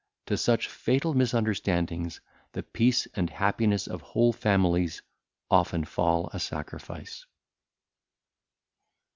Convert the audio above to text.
To such fatal misunderstandings the peace and happiness of whole families often fall a sacrifice.